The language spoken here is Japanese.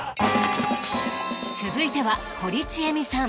続いては堀ちえみさん。